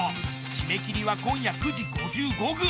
締め切りは今夜９時５５分。